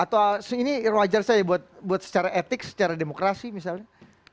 atau ini wajar saya buat secara etik secara demokrasi misalnya